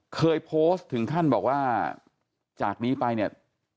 เคยโพสต์ถึงขั้นบอกว่าจากนี้ไปเนี่ย